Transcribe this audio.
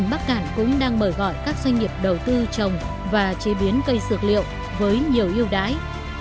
bắc cản cũng đang mở gọi các doanh nghiệp đầu tư trồng và chế biến cây sược liệu với nhiều yêu đái